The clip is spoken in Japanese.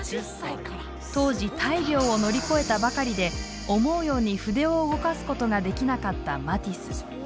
当時大病を乗り越えたばかりで思うように筆を動かすことができなかったマティス。